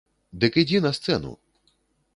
Дык ідзі на сцэну!